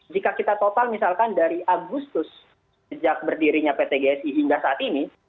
jika kita total misalkan dari agustus sejak berdirinya pt gsi hingga saat ini